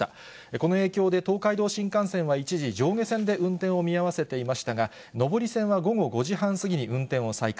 この影響で東海道新幹線は一時、上下線で運転を見合わせていましたが、上り線は午後５時半過ぎに運転を再開。